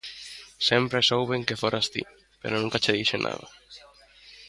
Sempre souben que foras ti, pero nunca che dixen nada.